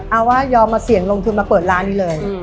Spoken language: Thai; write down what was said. เอาว่ายอมมาเสี่ยงลงทุนมาเปิดร้านนี้เลย